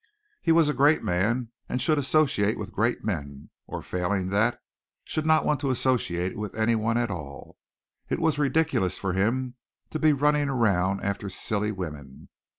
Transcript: He was a great man and should associate with great men, or, failing that, should not want to associate with anyone at all. It was ridiculous for him to be running around after silly women.